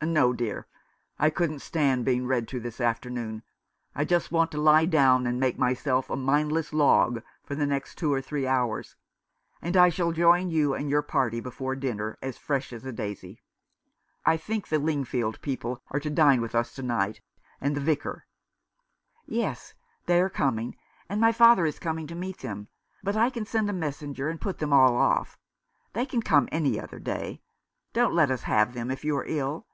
"No, dear. I couldn't stand being read to this afternoon. I want just to lie down and make my self a mindless log for the next two or three hours ; and I shall join you and your party before dinner, as fresh as a daisy. I think the Lingfield people are to dine with us to night, and the Vicar." " Yes, they are coming, and my father is coming to meet them ; but I can send a messenger and put them all off. They can come any other day. Don't let us have them if you are ill.